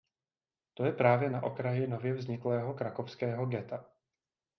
Ta je právě na okraji nově vzniklého krakovského ghetta.